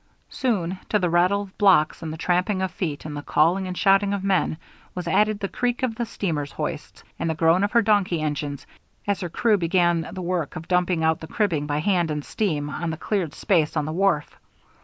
Soon, to the rattle of blocks and the tramping of feet and the calling and shouting of men, was added the creak of the steamer's hoists, and the groan of her donkey engines as her crew began the work of dumping out the cribbing by hand and steam, on the cleared space on the wharf.